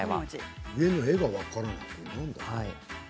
絵が分からない。